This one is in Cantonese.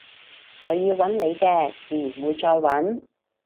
佢要搵你嘅自然會再搵